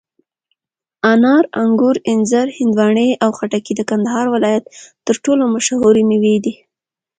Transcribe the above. انار، انګور، انځر، هندواڼې او خټکي د کندهار ولایت تر ټولو مشهوري مېوې دي.